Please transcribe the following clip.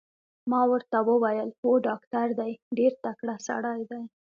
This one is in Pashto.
ما ورته وویل: هو ډاکټر دی، ډېر تکړه سړی دی.